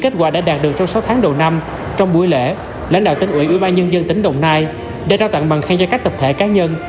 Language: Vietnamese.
trong buổi lễ lãnh đạo tỉnh ủy ủy ban nhân dân tỉnh đồng nai đã trao tặng bằng khen cho các tập thể cá nhân